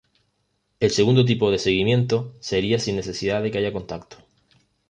El segundo tipo de seguimiento sería sin necesidad que haya contacto.